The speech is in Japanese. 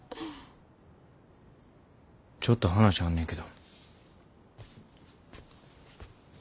ちょっと話あんねんけど。